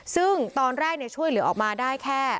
ซึ่งตอนแรกช่วยเหลือออกมาได้แค่